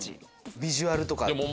ビジュアルとか。